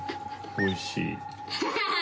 おいしい？